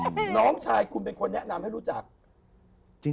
น้องชายคุณเป็นคนแนะนำให้รู้จัก